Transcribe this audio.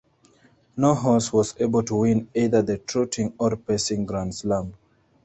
No horse was able to win either the Trotting or Pacing Grand Slam.